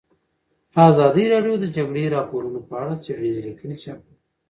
ازادي راډیو د د جګړې راپورونه په اړه څېړنیزې لیکنې چاپ کړي.